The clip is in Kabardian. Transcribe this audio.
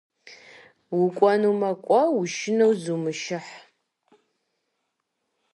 УкӀуэнумэ-кӀуэ, ушынэу зумышыхь.